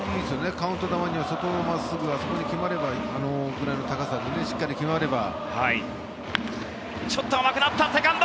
カウント球なんかあそこに真っすぐあそこに決まればぐらいの高さでしっかり決まれば。